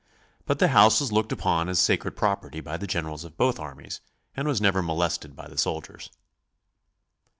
But the house was looked upon as sacred property by the generals of both armies and was never molested by the soldiers.